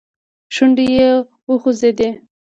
شونډې يې وخوځېدې.